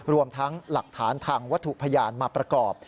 รวมทั้งหลักฐานทางวัตถุพยานมาประกอบ